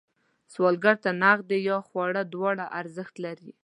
سوالګر ته نغدې یا خواړه دواړه ارزښت لري